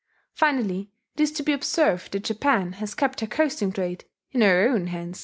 Finally, it is to be observed that Japan has kept her coasting trade in her own hands.